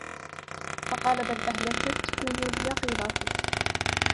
فَقَالَ بَلْ أَهْلَكَتْكُمْ الْيَقِظَةُ